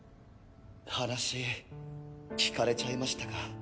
話聞かれちゃいましたか。